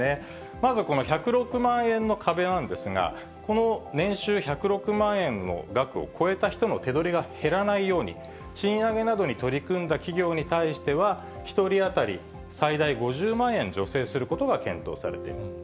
まずこの１０６万円の壁なんですが、この年収１０６万円の額を超えた人の手取りが減らないように、賃上げなどに取り組んだ企業に対しては、１人当たり最大５０万円助成することが検討されています。